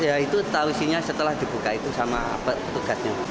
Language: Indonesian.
ya itu tausinya setelah dibuka itu sama petugasnya